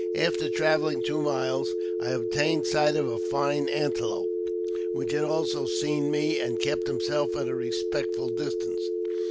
After travelling two miles, I obtained sight of a fine antelope, which had also seen me, and kept himself at a respectable distance.